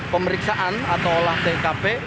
pemeriksaan atau olah tkp